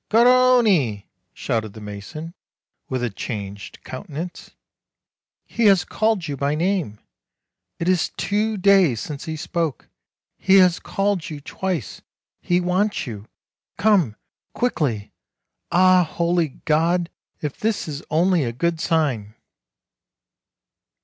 "Garrone!" shouted the mason, with a changed countenance, "he has called you by name ; it is two days since he spoke ; he has called you twice ; he wants you ; come quickly! Ah, holy God, if this is only a good sign!"